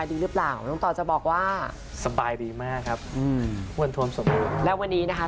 คุณผู้ชมไม่เจนเลยค่ะถ้าลูกคุณออกมาได้มั้ยคะ